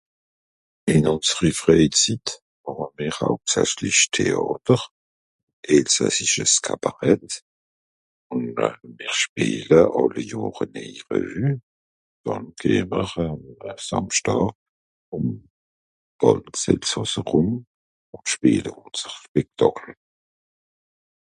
in unsri Freizitt màch mir hauptsächlich Theàter, elsassisches Kabarett, un me mr spiele àlle Johr e neji Revue, dànn gehn mr àm Sàmschdàà um s gànz Elsàss erum un spiele unser Spektàkel